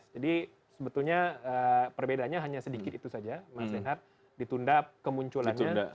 jadi sebetulnya perbedaannya hanya sedikit itu saja mas renhardt ditunda kemunculannya